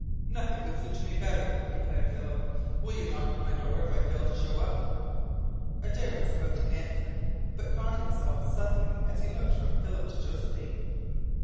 "Nothing would suit me better," declared Philip. "Will you knock at my door if I fail to show up?" Adare was about to answer, but caught himself suddenly as he looked from Philip to Josephine.